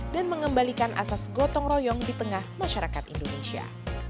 mengembalikan asas gotong royong di tengah masyarakat indonesia